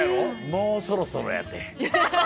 もうそろそろやって。